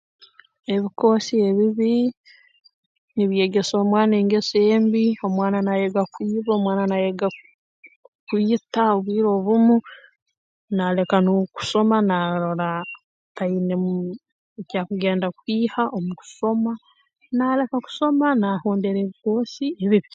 Ebikoosi ebibi nibyegesa omwana engeso embi omwana naayega kwiba omwana naayega kwita obwire obumu naaleka n'okusoma naarora tainemu eki akugenda kwiha omu kusoma naaleka kusoma naahondera ebikoosi ebibi